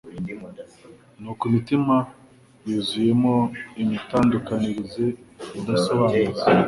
Nuko imitima yuzuyemo imitandukanirize idasobanutse,